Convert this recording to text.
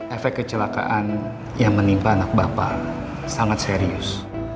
efek kecelakaan yang menimpa anak bapak sangat serius